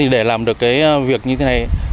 để làm được việc như thế này